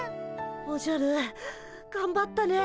おじゃるがんばったね。